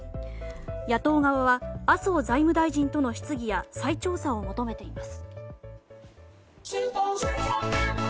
野党側は麻生財務大臣との質疑や再調査を求めています。